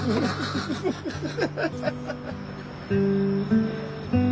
ハハハハハ。